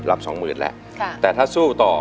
สองหมื่นแล้วแต่ถ้าสู้ต่อ